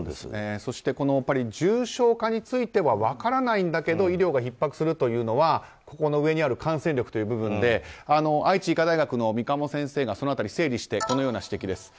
そして、重症化については分からないんだけど医療がひっ迫するというのは感染力という部分で愛知医科大学の三鴨先生がその辺りを整理してこのような指摘です。